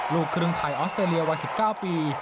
ลูกครึ่งไทยออสเตรเลียวัน๑๙ปี